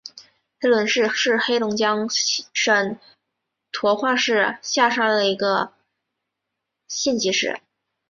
海伦市是黑龙江省绥化市下辖的一个县级市。